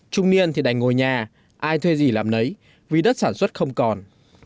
trung niên thì đành ngồi nhà ai thuê gì làm nấy vì đất sản xuất không còn